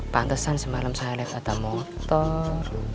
pantesan semalam saya liat ada motor